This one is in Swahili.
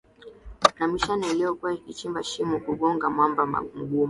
na mashine iliyokuwa ikichiimba shimo kugonga mwamba mgumu